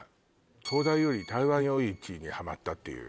東大より台湾夜市にハマったっていう